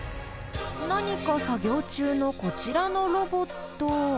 何か作業中のこちらのロボット。